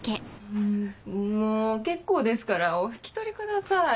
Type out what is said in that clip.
もう結構ですからお引き取りください。